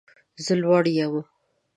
زه لوړ یم